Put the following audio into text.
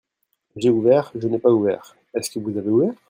J'ai ouvert, je n'ai pas ouvert. Est-ce que vous avez ouvert ?